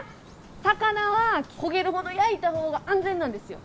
魚は焦げるほど焼いた方が安全なんですよ。